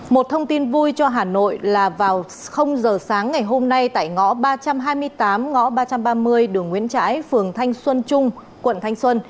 một thông tin vui cho hà nội là vào giờ sáng ngày hôm nay tại ngõ ba trăm hai mươi tám ngõ ba trăm ba mươi đường nguyễn trãi phường thanh xuân trung quận thanh xuân